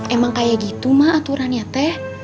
emang kaya gitu mah aturan ya teh